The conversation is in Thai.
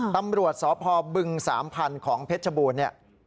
ตำรวจสพบึงสามพันธุ์ของเพชรชบูรณ์นี่